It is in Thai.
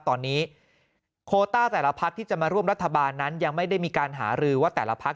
ตอนนี้โคต้าแต่ละพักที่จะมาร่วมรัฐบาลนั้นยังไม่ได้มีการหารือว่าแต่ละพัก